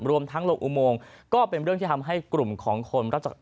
รวมทั้งลงอุโมงก็เป็นเรื่องที่ทำให้กลุ่มของคนรับจาก